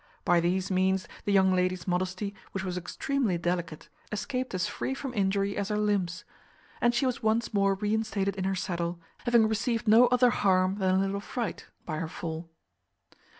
By these means the young lady's modesty, which was extremely delicate, escaped as free from injury as her limbs, and she was once more reinstated in her saddle, having received no other harm than a little fright by her fall.